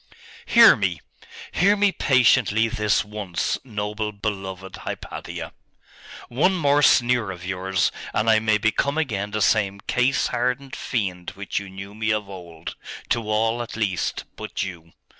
'Hear me! hear me patiently this once, noble, beloved Hypatia! One more sneer of yours, and I may become again the same case hardened fiend which you knew me of old to all, at least, but you.